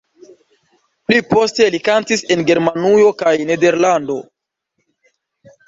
Pli poste li kantis en Germanujo kaj Nederlando.